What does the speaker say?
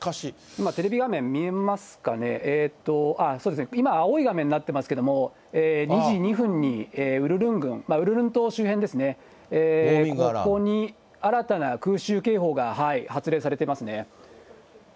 今、テレビ画面見えますかね、そうですね、今、青い画面になってますけれども、２時２分にウルルン郡、ウルルン島周辺ですね、ここに新たな空襲警報が発令されてますね。